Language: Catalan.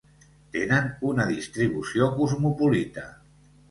Tenen una distribució cosmopolita.